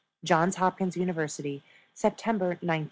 Johns Hopkins University, September, 1912.